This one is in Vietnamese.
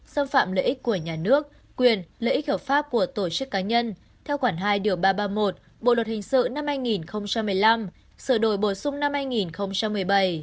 xâm phạm lợi ích của nhà nước quyền lợi ích hợp pháp của tổ chức cá nhân theo khoản hai điều ba trăm ba mươi một bộ luật hình sự năm hai nghìn một mươi năm sửa đổi bổ sung năm hai nghìn một mươi bảy